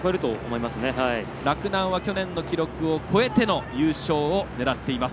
洛南は去年の記録を超えての優勝を狙っています。